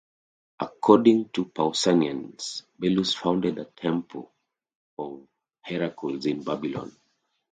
According to Pausanias, Belus founded a temple of Heracles in Babylon.